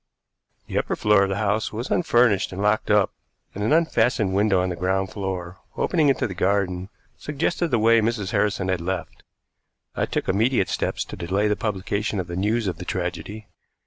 The upper floor of the house was unfurnished and locked up, and an unfastened window on the ground floor, opening into the garden, suggested the way Mrs. Harrison had left. I took immediate steps to delay the publication of the news of the tragedy.